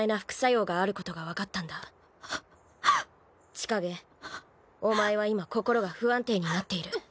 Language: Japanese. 千景お前は今心が不安定になっている。